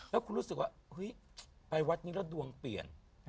แล้วคุณรู้สึกว่าเฮ้ยไปวัดนี้แล้วดวงเปลี่ยน